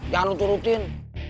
jangan lo turutin